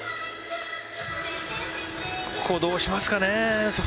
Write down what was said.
ここ、どうしますかね。